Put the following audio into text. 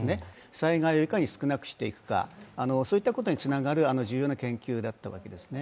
災害をいかに少なくしていくか、そういうことにつながる重要な研究だったわけですね。